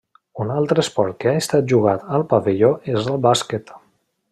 Un altre esport que ha estat jugat al pavelló és el bàsquet.